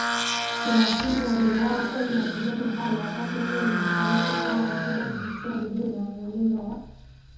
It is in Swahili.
thelathini waliuawa kwenye mapigano hayo Wakati mwingi alipotoa hotuba kupitia redio na runinga ya